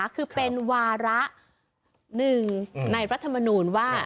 คือเป็นวาระหนึ่งในรัฐมนูลว่า